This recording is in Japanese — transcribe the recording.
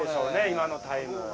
今のタイム。